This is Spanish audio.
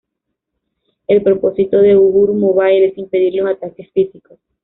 El propósito de Uhuru Mobile es impedir los ataques físicos.